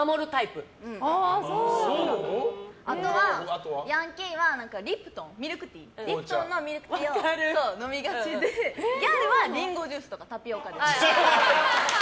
あとは、ヤンキーはりぷトンのミルクティーを飲みがちでギャルはリンゴジュースとかタピオカです。